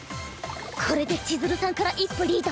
これで千鶴さんから一歩リード。